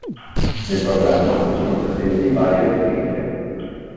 Nel programma sono presenti varie rubriche.